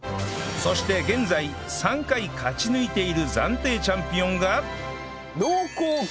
そして現在３回勝ち抜いている暫定チャンピオンが